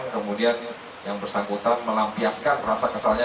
kemudian yang bersangkutan melampiaskan rasa kesalnya